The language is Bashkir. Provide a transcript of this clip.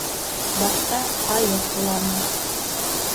Башта айы ҡоланы.